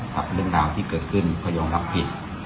กับเรื่องราวที่เกิดขึ้นพ่อยอมรับผิด